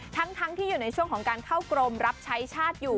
ทั้งที่อยู่ในช่วงของการเข้ากรมรับใช้ชาติอยู่